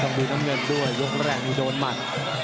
ดูน้ำเงินด้วยยกแรกนี่โดนหมัด